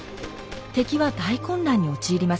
敵は大混乱に陥ります。